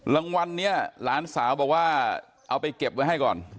รางวัลนี้หลานสาวบอกว่าเอาไปเก็บไว้ให้ก่อน